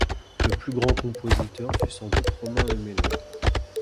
Le plus grand compositeur fut sans doute Romain le Mélode.